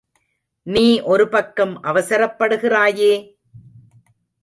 நீ ஒரு பக்கம் அவசரப்படுகிறாயே!